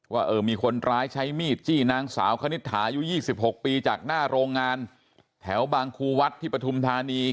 ว่ามีคนร้ายใช้มีดจี้นางสาวคณิตหายุ๒๖ปีจากหน้าโรงงานแถวบางครูวัดที่ปฐุมธานี